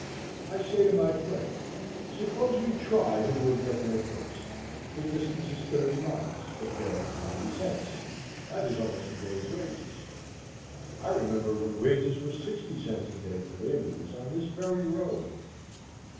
I say to my friend, Suppose we try who will get there first. The distance is thirty miles; the fare ninety cents. That is almost a day's wages. I remember when wages were sixty cents a day for laborers on this very road.